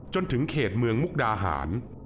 จนถึงเขตเมืองมุกดาหาร